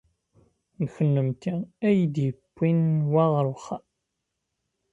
D kennemti ay d-yewwin wa ɣer uxxam?